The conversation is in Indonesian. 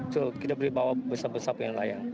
jadi kita bisa bawa besar besar yang layang